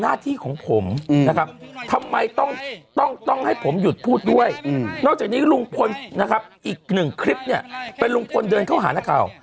หน้าที่ของผมนะครับทำไมต้องต้องให้ผมหยุดพูดด้วยนอกจากนี้ลุงพลนะครับอีกหนึ่งคลิปเนี่ยเป็นลุงพลเดินเข้าหานักข่าว